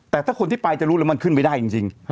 แต่ถ้าคนที่ไปจะรู้แล้วมันขึ้นไม่ได้จริง